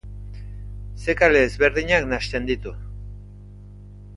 Zekale ezberdinak nahasten ditu.